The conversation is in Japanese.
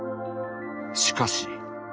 しかし。